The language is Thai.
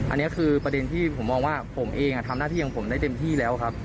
อันนี้คือประเด็นที่ผมมองว่าผมเองทำหน้าที่อย่างผมได้เต็มที่แล้วครับ